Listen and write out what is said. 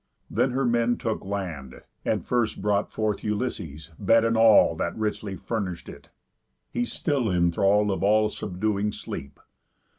Then her men took land, And first brought forth Ulysses, bed, and all That richly furnish'd it, he still in thrall Of all subduing sleep.